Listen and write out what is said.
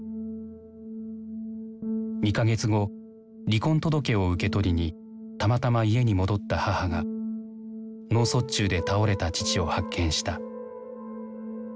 ２か月後離婚届を受け取りにたまたま家に戻った母が脳卒中で倒れた父を発見した。